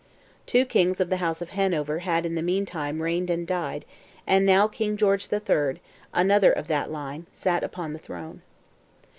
Two kings of the House of Hanover had in the meantime reigned and died, and now King George III, another of that line, sat upon the throne.